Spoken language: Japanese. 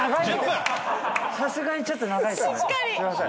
さすがにちょっと長いですね。